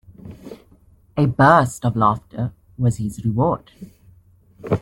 A burst of laughter was his reward.